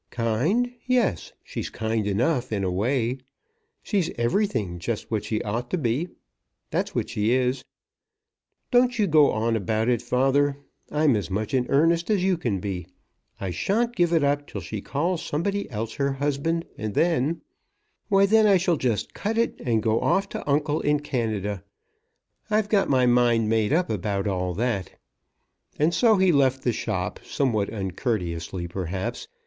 "Kind; yes, she's kind enough in a way. She's everything just what she ought to be. That's what she is. Don't you go on about it, father. I'm as much in earnest as you can be. I shan't give it up till she calls somebody else her husband; and then, ; why then I shall just cut it, and go off to uncle in Canada. I've got my mind made up about all that." And so he left the shop, somewhat uncourteously perhaps.